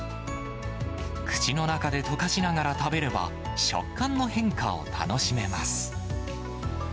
口の中で溶かしながら食べれば、食感の変化を楽しめます。